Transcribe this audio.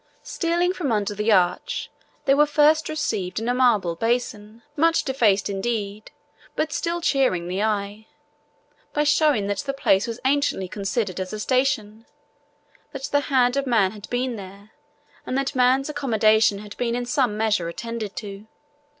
Stealing from under the arch, they were first received in a marble basin, much defaced indeed, but still cheering the eye, by showing that the place was anciently considered as a station, that the hand of man had been there and that man's accommodation had been in some measure attended to.